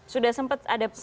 sudah sempat ada